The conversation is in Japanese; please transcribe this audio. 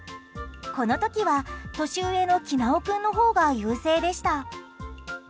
この時は、年上のきなお君のほうが優勢でした。